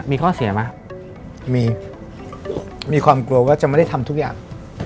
มีข้อเสียไหมมีความกลัวว่าจะไม่ได้ทำทุกอย่าง